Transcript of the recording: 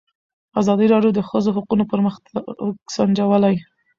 ازادي راډیو د د ښځو حقونه پرمختګ سنجولی.